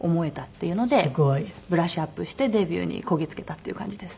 すごい。ブラッシュアップしてデビューにこぎつけたっていう感じです。